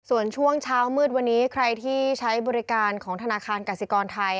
ส่วนช่วงเช้ามืดวันนี้ใครที่ใช้บริการของธนาคารกสิกรไทย